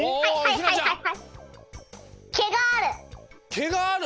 けがある？